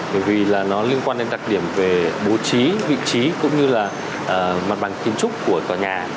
bởi vì là nó liên quan đến đặc điểm về bố trí vị trí cũng như là mặt bằng kiến trúc của tòa nhà